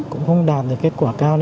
cũng không đạt được kết quả cao